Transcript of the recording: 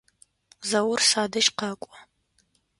Заур садэжь къэкӏо.